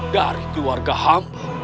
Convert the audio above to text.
dari keluarga hamba